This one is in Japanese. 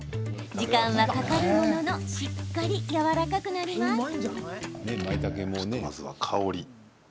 時間はかかるもののしっかり、やわらかくなります。